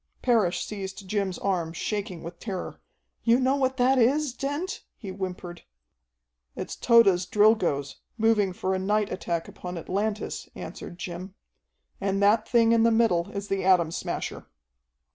Parrish seized Jim's arm, shaking with terror. "You know what that is, Dent?" he whimpered. "It's Tode's Drilgoes, moving for a night attack upon Atlantis," answered Jim. "And that thing in the middle is the Atom Smasher."